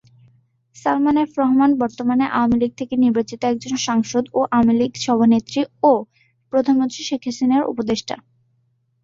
Salman F Rahman বর্তমানে আওয়ামী লীগ থেকে নির্বাচিত একজন সাংসদ ও আওয়ামী লীগ সভানেত্রী ও প্রধানমন্ত্রী শেখ হাসিনার উপদেষ্টা।